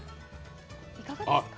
いかがですか？